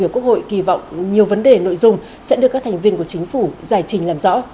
chúng sẽ đưa các thành viên của chính phủ giải trình làm rõ